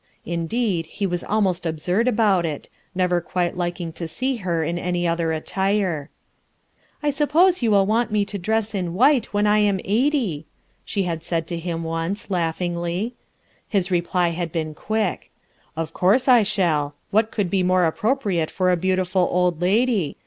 Indeed he was almost absurd about it never quite liking to see her in any other attire' "I suppose you will want me to dress in white when I am eighty I" she had said to him once laughingly. His reply had been quick, "or course I shall. What could be more appropri ate for a beautiful old lady?